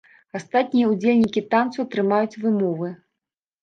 Астатнія ўдзельнікі танцу атрымаюць вымовы.